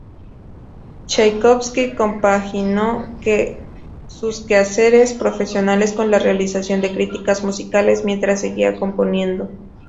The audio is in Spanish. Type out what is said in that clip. Chaikovski compaginó sus quehaceres profesionales con la realización de críticas musicales mientras seguía componiendo.